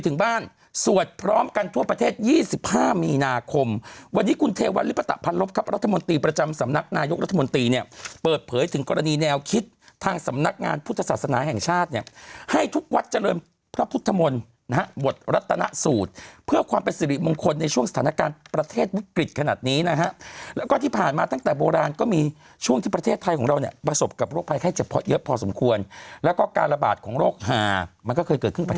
ทั่วประเทศ๒๕มีนาคมวันนี้คุณเทวัลลิปตะพันธ์ลบครับรัฐมนตรีประจำสำนักนายกรัฐมนตรีเนี่ยเปิดเผยถึงกรณีแนวคิดทางสำนักงานพุทธศาสนาแห่งชาติเนี่ยให้ทุกวัดเจริญพระพุทธมนตร์นะฮะบทรัตนสูตรเพื่อความเป็นสิริมงคลในช่วงสถานการณ์ประเทศวุฒิกฤตขนา